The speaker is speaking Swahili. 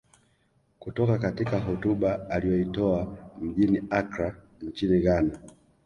Kutoka katika hotuba aliyoitoa mjini Accra nchini Ghana